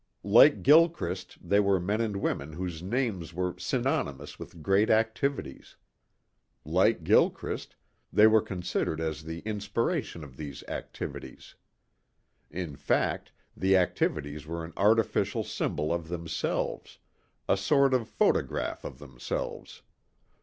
Like Gilchrist they were men and women whose names were synonymous with great activities. Like Gilchrist, they were considered as the inspiration of these activities. In fact the activities were an artificial symbol of themselves a sort of photograph of themselves.